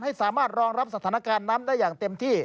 สามารถรองรับสถานการณ์น้ำได้อย่างเต็มที่